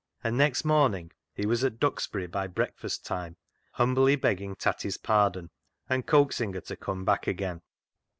And next morning he was at Duxbury by break no CLOG SHOP CHRONICLES fast time, humbly begging Tatty's pardon and coaxing her to come back again.